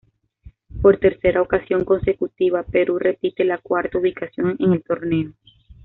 Por tercera ocasión consecutiva Perú repite la cuarta ubicación en el torneo.